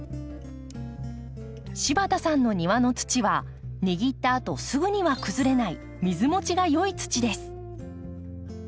柴田さんの庭の土は握ったあとすぐには崩れない水持ちが良い土です。